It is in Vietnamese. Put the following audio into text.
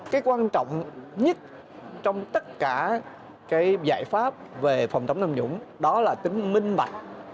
cái quan trọng nhất trong tất cả cái giải pháp về phòng chống tham nhũng đó là tính minh bạch